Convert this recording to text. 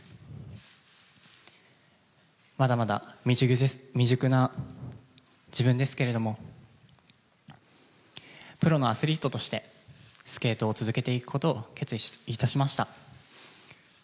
まだまだ未熟な自分ですけれども、プロのアスリートとして、スケートを続けていくことを決意いたしました。